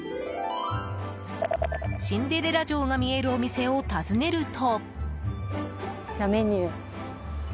シンデレラ城が見えるお店を訪ねると。